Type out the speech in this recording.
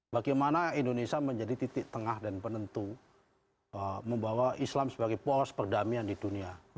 bagaimana indonesia menjadi titik tengah dan penentu membawa islam sebagai poros perdamaian di dunia